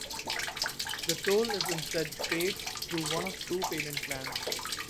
The toll is instead paid through one of two payment plans.